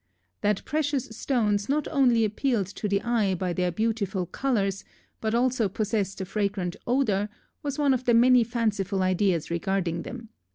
That precious stones not only appealed to the eye by their beautiful colors, but also possessed a fragrant odor, was one of the many fanciful ideas regarding them.